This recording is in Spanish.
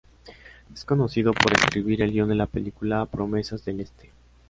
Es conocido por escribir el guion de la película "Promesas del este".